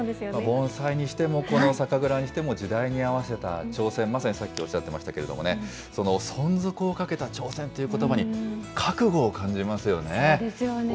盆栽にしても、この酒蔵にしても、時代に合わせた挑戦、まさにさっきおっしゃってましたけれどもね、その、存続をかけた挑戦ということばに覚悟を感じますよね。